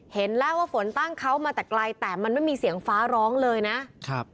เห็นแล้วว่าฝนตั้งเขามาแต่ไกลแต่มันไม่มีเสียงฟ้าร้องเลยนะครับ